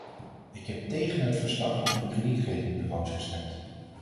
Ik heb tegen het verslag over de kredietratingbureaus gestemd.